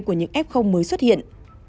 của những f mới xuất hiện